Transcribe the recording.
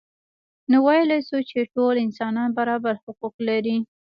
نو ویلای شو چې ټول انسانان برابر حقوق لري.